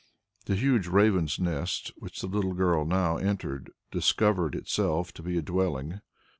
The huge raven's nest which the little girl now entered discovered itself to be a dwelling.